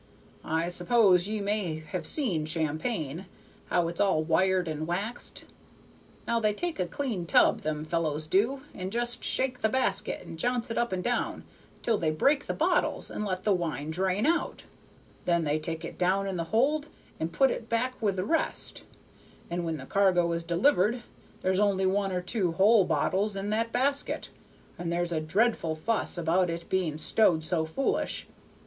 I suppose ye may have seen champagne, how it's all wired and waxed. Now, they take a clean tub, them fellows do, and just shake the basket and jounce it up and down till they break the bottles and let the wine drain out; then they take it down in the hold and put it back with the rest, and when the cargo is delivered there's only one or two whole bottles in that basket, and there's a dreadful fuss about its being stowed so foolish."